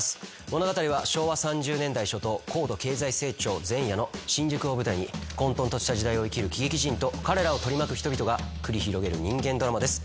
物語は昭和３０年代初頭高度経済成長前夜の新宿を舞台に混沌とした時代を生きる喜劇人と彼らを取り巻く人々が繰り広げる人間ドラマです。